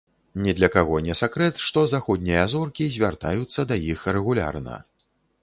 Ні для каго не сакрэт, што заходнія зоркі звяртаюцца да іх рэгулярна.